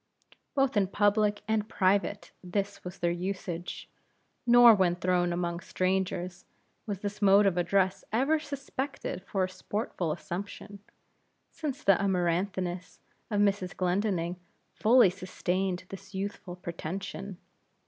Both in public and private this was their usage; nor when thrown among strangers, was this mode of address ever suspected for a sportful assumption; since the amaranthiness of Mrs. Glendinning fully sustained this youthful pretension.